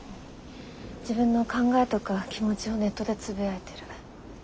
自分の考えとか気持ちをネットでつぶやいてる。